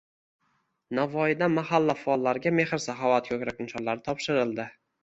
Navoiyda mahalla faollariga “Mehr-saxovat” ko‘krak nishonlari topshirildi